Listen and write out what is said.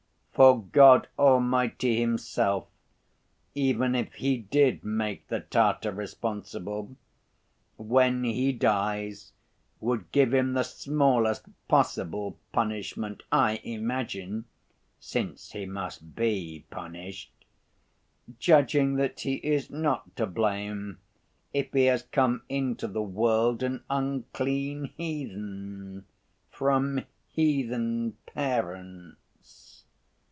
For God Almighty Himself, even if He did make the Tatar responsible, when he dies would give him the smallest possible punishment, I imagine (since he must be punished), judging that he is not to blame if he has come into the world an unclean heathen, from heathen parents.